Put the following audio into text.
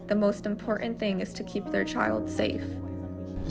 apa yang kamu risaukan